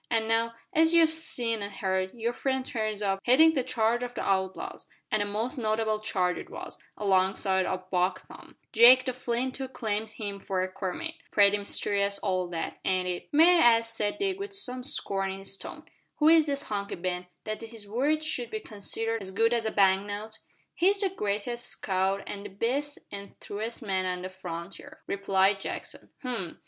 An' now, as you've seen an' heard, your friend turns up headin' a charge of the outlaws an' a most notable charge it was alongside o' Buck Tom. Jake the Flint too claims him for a comrade. Pretty mysterious all that, ain't it?" "May I ask," said Dick, with some scorn in his tone, "who is this Hunky Ben, that his word should be considered as good as a bank note?" "He's the greatest scout an' the best an' truest man on the frontier," replied Jackson. "H'm!